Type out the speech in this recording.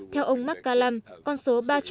theo ông mccallum con số ba trăm linh người di cư sẽ là